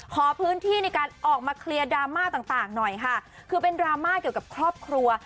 ขอพื้นที่ในการออกมาเคลียร์ดราม่าต่างหน่อยค่ะคือเป็นดราม่าเกี่ยวกับครอบครัว